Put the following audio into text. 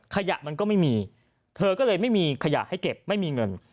ขยะมันก็ไม่มีเธอก็เลยไม่มีขยะให้เก็บไม่มีเงิน